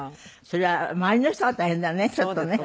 それは周りの人が大変だねちょっとね。